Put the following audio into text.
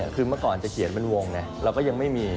คือเมื่อก่อนจะเขียนเป็นวงไงเราก็ยังไม่มี